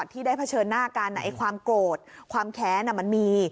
ที่ได้เผชิญหน้ากันความโกรธความแค้นมันมี